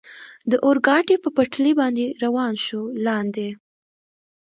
د اورګاډي پر پټلۍ باندې روان شو، لاندې.